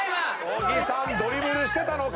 小木さんドリブルしてたのか？